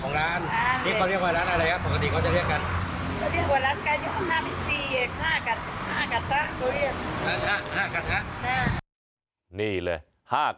ก็ได้มารู้จักประวัติอื่นไม่มี